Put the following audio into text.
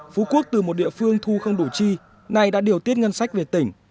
phú quốc từ một địa phương thu không đủ chi nay đã điều tiết ngân sách về tỉnh